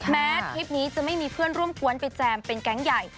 ทริปนี้จะไม่มีเพื่อนร่วมกวนไปแจมเป็นแก๊งใหญ่